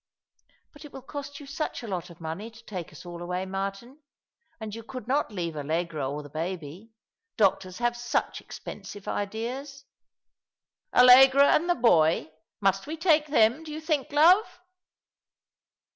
" But it will cost you such a lot of money to take us all away, Martin ; and you could not leave Allegra or the baby. Doctors have such expensive ideas." ''Allegra, and the boy! Must we take them, do you tliink, love